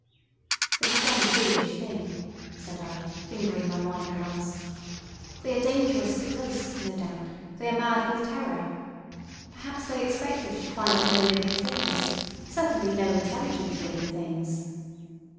"They have done a foolish thing," said I, fingering my wineglass. "They are dangerous because, no doubt, they are mad with terror. Perhaps they expected to find no living things—certainly no intelligent living things."